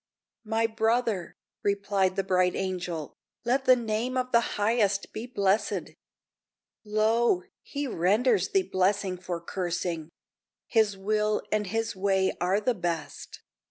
"My brother," replied the bright Angel, "Let the name of the Highest be blessed! Lo! he renders thee blessing for cursing! His will and His way are the best.